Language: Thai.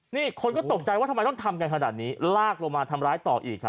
นี่คนก็ตกใจว่าทำไมต้องทำกันขนาดนี้ลากลงมาทำร้ายต่ออีกครับ